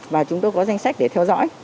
và chúng tôi có danh sách để theo dõi